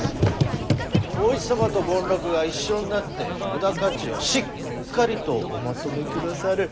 お市様と権六が一緒になって織田家中をしっかりとおまとめくださる。